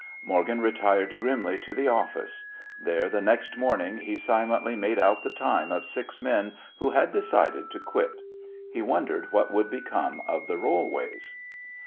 Morgan retired grimly to the "office." There, the next morning, he silently made out the "time" of six men, who had decided to quit. He wondered what would become of the rollways.